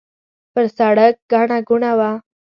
پر سړک ګڼه ګوڼه وه.